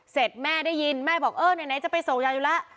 เสร็จแม่ได้ยินแม่บอกเออไหนไหนจะไปส่งยังอยู่แล้ว